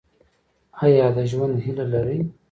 ایا د ژوند هیله لرئ؟